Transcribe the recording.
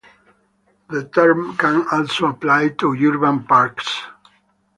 The term can also apply to urban parks.